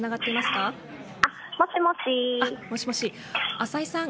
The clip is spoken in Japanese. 浅井さん。